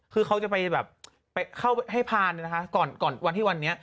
คือเขาจะไปแบบไปเข้าให้พานนะคะก่อนวันที่วันนี้